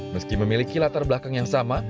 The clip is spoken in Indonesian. meski memiliki latar belakang yang sama